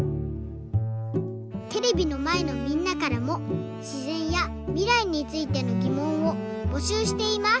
テレビのまえのみんなからもしぜんやみらいについてのぎもんをぼしゅうしています。